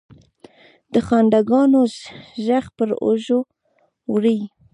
د خنداګانو، ږغ پر اوږو وړي